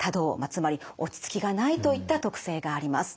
つまり落ち着きがないといった特性があります。